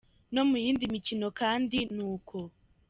No mu yindi mikino kandi ni uko.